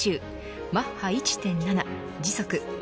マッハ１．７時速